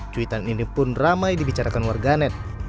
cuitan ini pun ramai dibicarakan warganet